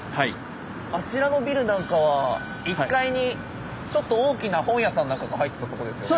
あちらのビルなんかは１階にちょっと大きな本屋さんなんかが入ってたとこですよね。